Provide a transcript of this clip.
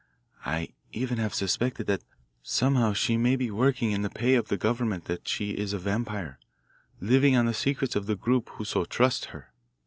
I even have suspected that somehow she may be working in the pay of the government that she is a vampire, living on the secrets of the group who so trust her.